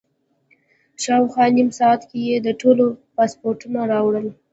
شاوخوا نیم ساعت کې یې د ټولو پاسپورټونه راوړل.